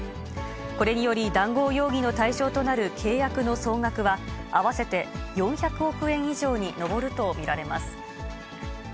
これにより、談合容疑の対象となる契約の総額は、合わせて４００億円以上に上ると見られます。